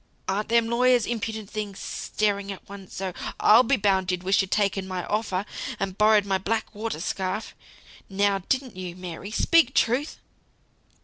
Ar'n't them lawyers impudent things? staring at one so. I'll be bound you wished you'd taken my offer, and borrowed my black watered scarf! Now didn't you, Mary? Speak truth!"